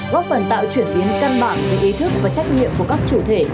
góp phần tạo chuyển biến căn bản về ý thức và trách nhiệm của các chủ thể